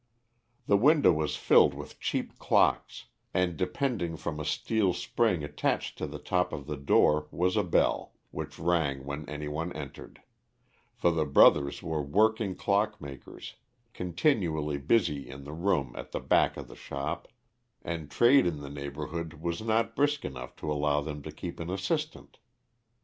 The window was filled with cheap clocks, and depending from a steel spring attached to the top of the door was a bell, which rang when any one entered, for the brothers were working clockmakers, continually busy in the room at the back of the shop, and trade in the neighbourhood was not brisk enough to allow them to keep an assistant.